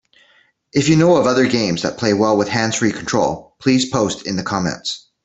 If you know of other games that play well with hands-free control, please post in the comments.